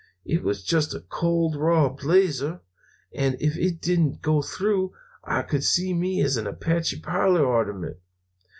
"It was just a cold, raw blazer; and if it didn't go through I could see me as an Apache parlor ornament.